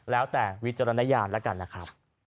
แล้วแต่วิจารณญาณแล้วกันนะครับ